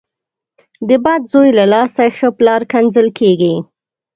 د بد زوی له لاسه ښه پلار کنځل کېږي.